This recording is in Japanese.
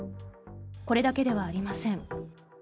これだけではありません。